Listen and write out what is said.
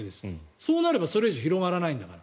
そうなればそれ以上広がらないんだから。